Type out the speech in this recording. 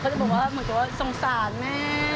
เขาจะบอกว่าสงสารแม่